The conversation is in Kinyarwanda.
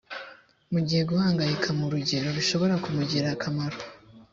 mu gihe guhangayika mu rugero bishobora kumugirira akamaro